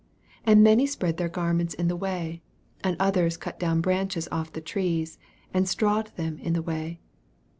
8 And many spread their garments in the way : and others cut down branches off the trees, and strawed them in the way.